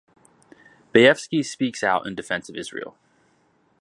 Bayefsky speaks out in defense of Israel.